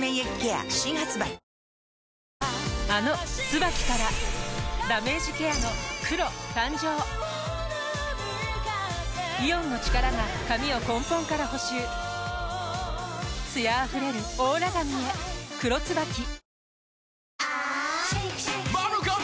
あの「ＴＳＵＢＡＫＩ」からダメージケアの黒誕生イオンの力が髪を根本から補修艶あふれるオーラ髪へ「黒ＴＳＵＢＡＫＩ」